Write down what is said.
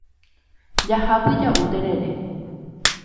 Jahápy ja'u terere